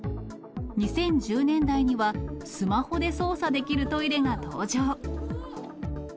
２０１０年代には、スマホで操作できるトイレが登場。